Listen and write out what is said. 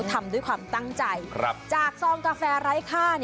ทำด้วยความตั้งใจจากซองกาแฟไร้ค่า